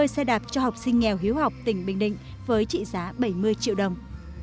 hai mươi xe đạp cho học sinh nghèo hiếu học tỉnh bình định với trị giá bảy mươi triệu đồng